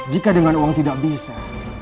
jika dengan uang tidak bisa